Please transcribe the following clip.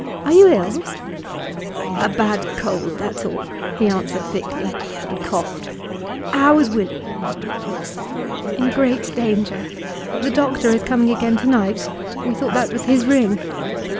Are you ill?' 'A bad cold, that's all,' he answered thickly, and coughed. 'How is Willie?' 'In great danger. The doctor is coming again to night; we thought that was his ring.